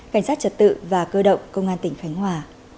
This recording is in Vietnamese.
cảnh sát trật tự và cơ động công an tỉnh khánh hòa